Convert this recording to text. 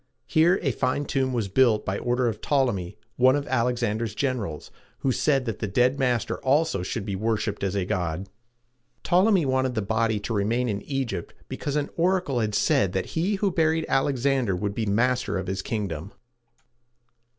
Here a fine tomb was built by order of Ptol´e my, one of Alexander's generals, who said that his dead master also should be worshiped as a god. Ptolemy wanted the body to remain in Egypt because an oracle had said that he who buried Alexander would be master of his kingdom.